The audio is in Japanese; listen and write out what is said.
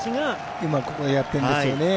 今ここでやっているんですよね。